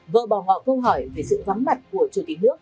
vợ bỏ họ câu hỏi về sự vắng mặt của chủ tịch nước